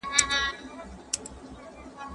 شيطان د وروڼو په منځ کي بغض ايجادوي.